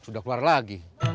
sudah keluar lagi